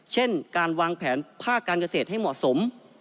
เช่นการวางแผนภาคการเกษตรให้เหมาะสม